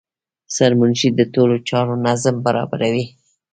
سرمنشي د ټولو چارو نظم برابروي.